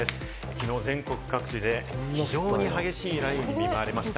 きのう全国各地で非常に激しい雷雨に見舞われました。